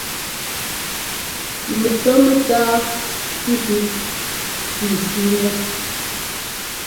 Mɛcʉɔ mɛ́táa tʉ shʉ̌shʉ̌ nɛ́.